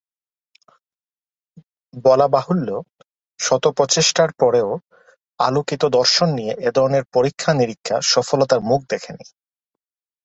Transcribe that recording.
বলা বাহুল্য শত প্রচেষ্টার পরেও আলোকিত দর্শন নিয়ে এ ধরনের পরীক্ষা নিরীক্ষা সফলতার মুখ দেখে নি।